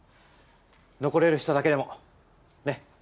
残れる人だけでもねっ。